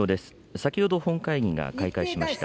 先ほど、本会議が開会しました。